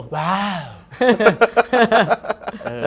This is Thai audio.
วาว